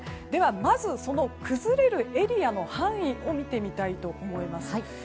では、まず崩れるエリアの範囲を見てみたいと思います。